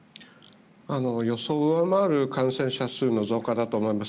予想を上回る感染者数の増加だと思います。